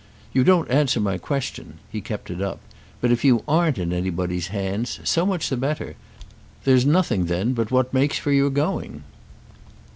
You don't answer my question"—he kept it up; "but if you aren't in anybody's hands so much the better. There's nothing then but what makes for your going."